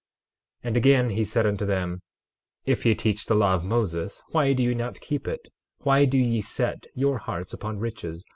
12:29 And again he said unto them: If ye teach the law of Moses why do ye not keep it? Why do ye set your hearts upon riches?